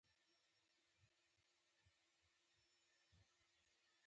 خلکو دوی ته د غیب ګویانو په نظر کتل.